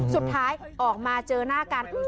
สุดท้ายออกมาเจอหน้ากัน